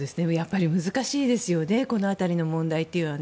難しいですよねこの辺りの問題というのは。